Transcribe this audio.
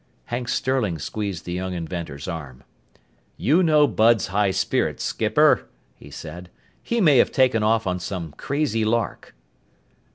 Hank Sterling squeezed the young inventor's arm. "You know Bud's high spirits, skipper," he said. "He may have taken off on some crazy lark."